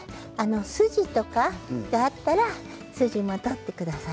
筋とかがあったら筋も取ってください。